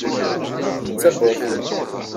D tawwurt.